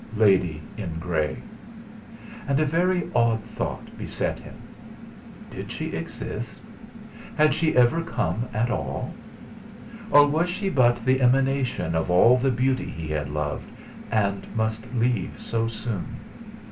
'Lady in grey!' And a very odd thought beset him: Did she exist? Had she ever come at all? Or was she but the emanation of all the beauty he had loved and must leave so soon?